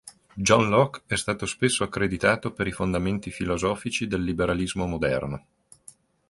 John Locke è stato spesso accreditato per i fondamenti filosofici del liberalismo moderno.